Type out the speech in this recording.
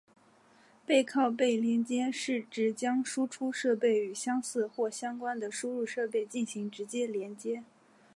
背靠背连接是指将输出设备与相似或相关的输入设备进行直接连接。